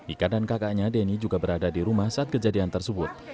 ika dan kakaknya denny juga berada di rumah saat kejadian tersebut